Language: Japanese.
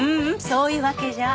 そういうわけじゃ。